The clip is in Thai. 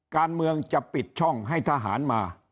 การเมืองจะปิดช่องให้ทหารมา